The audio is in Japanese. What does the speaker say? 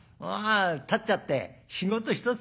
断っちゃって仕事一筋。